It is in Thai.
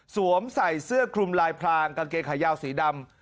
สวมใส่เสื้อคลุมลายพรางกางเกงขายาวสีดำ